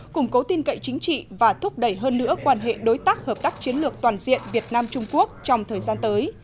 củng cố tin cậy chính trị và thúc đẩy hơn nữa quan hệ đối tác hợp tác chiến lược toàn diện việt nam trung quốc trong thời gian tới